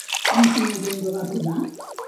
En quina llengua va rodar?